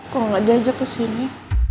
kok nggak diajak ke sini